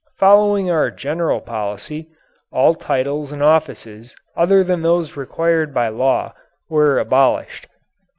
Following our general policy, all titles and offices other than those required by law were abolished.